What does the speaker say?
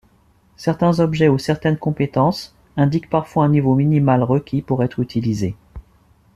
Certains objets ou certaines compétences indiquent parfois un niveau minimal requis pour être utilisés.